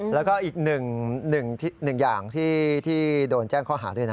แล้วก็อีกหนึ่งอย่างที่โดนแจ้งข้อหาด้วยนะ